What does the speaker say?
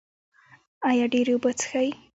ایا ډیرې اوبه څښئ؟